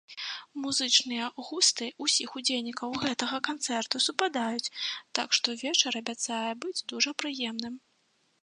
Музычныя густы ўсіх удзельнікаў гэтага канцэрту супадаюць, так што вечар абяцае быць дужа прыемным.